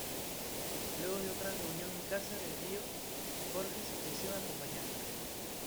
Luego de otra reunión en casa de Bioy, Borges se ofreció a acompañarla.